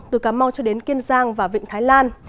từ cà mau cho đến kiên giang và vịnh thái lan